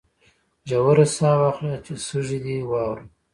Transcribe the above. ژوره ساه واخله چې سږي دي واورم